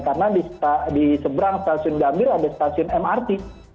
karena di seberang stasiun gambir ada stasiun mrt